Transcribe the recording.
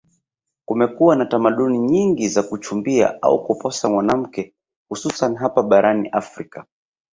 kumekuwa na tamaduni nyingi za kuchumbia au kuposa mwanamke hususani hapa barani afrika